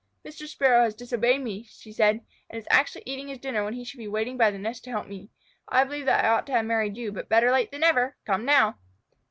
"Mr. Sparrow has disobeyed me," she said, "and is actually eating his dinner when he should be waiting by the nest to help me. I believe that I ought to have married you, but better late than never. Come now."